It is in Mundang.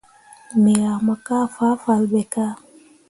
Me yah mo kah fahfalle ɓe kah.